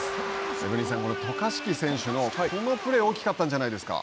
エブリンさん、渡嘉敷選手のこのプレー、大きかったんじゃないですか。